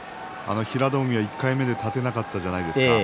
平戸海が１回目で立てなかったじゃないですか。